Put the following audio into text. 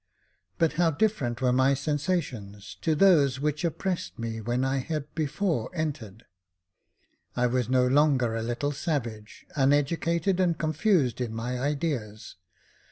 But how different were my sensations to those which oppressed me when I had before entered ! I was no longer a little savage, uneducated and confused in my ideas.